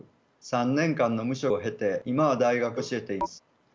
３年間の無職を経て今は大学で教えています。